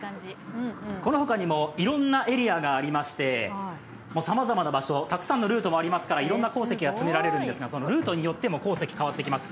このほかにもいろんなエリアがありましてさまざまな場所、たくさんのルートもありますからいろんな鉱石を集められるんですがルートによっても鉱石が違います。